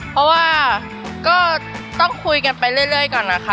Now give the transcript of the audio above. เพราะว่าก็ต้องคุยกันไปเรื่อยก่อนนะคะ